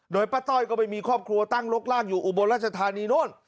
โดยป้าต้อยก็ไปมีครอบครัวตั้งลกร่างอยู่อุบลราชธานีโน่น